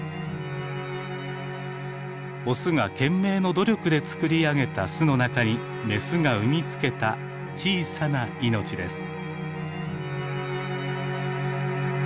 オスが懸命の努力で作り上げた巣の中にメスが産み付けた小さな命です。